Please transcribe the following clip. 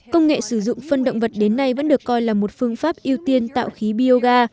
công nghệ sử dụng phân động vật đến nay vẫn được coi là một phương pháp ưu tiên tạo khí bioga